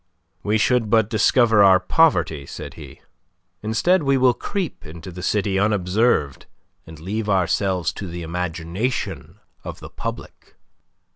"We should but discover our poverty," said he. "Instead, we will creep into the city unobserved, and leave ourselves to the imagination of the public."